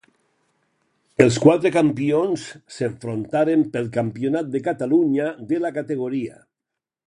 Els quatre campions s'enfrontaren pel campionat de Catalunya de la categoria.